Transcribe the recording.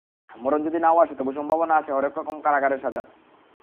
মরণ যদি নাও আসে তবু সম্ভাবনা আছে হরেক রকম কারাগারের সাজার।